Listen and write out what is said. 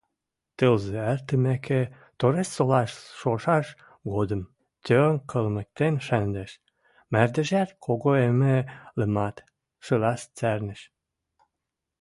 Тӹлзӹ эртӹмӹкӹ, Торешсолаш шошаш годым, тонг кӹлмӹктен шӹндӹш, мардежӓт когоэмӹ, лымат шылаш цӓрнӹш.